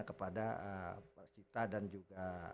kepada persita dan juga